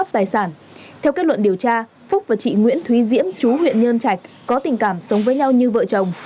theo kết luận điều tra phúc và chị nguyễn thúy diễm chú huyện nhơn trạch có tình cảm sống với nhau như vợ chồng